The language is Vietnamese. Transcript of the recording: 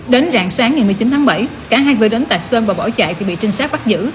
đến rạng sáng ngày một mươi chín tháng bảy cả hai người đến tạc sơn và bỏ chạy thì bị trinh sát bắt giữ